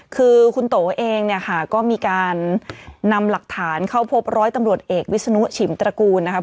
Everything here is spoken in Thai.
คือคุณโตเองเนี่ยค่ะก็มีการนำหลักฐานเข้าพบร้อยตำรวจเอกวิศนุชิมตระกูลนะครับ